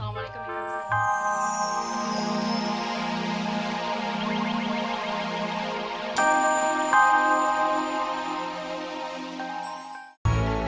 assalamualaikum wr wb